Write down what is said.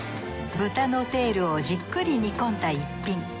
豚のテールをじっくり煮込んだ逸品。